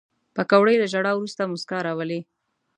پکورې له ژړا وروسته موسکا راولي